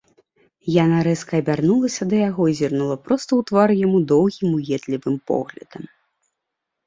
Яна рэзка абярнулася да яго і зірнула проста ў твар яму доўгім уедлівым поглядам.